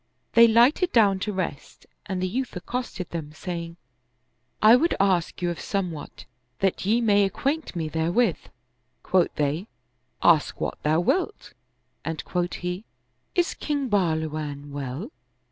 They lighted down to rest and the youth accosted them saying, " I would ask you of somewhat that ye may acquaint me therewith." Quoth they, " Ask what thou wilt"; and quoth he, "Is King Bahluwan well?"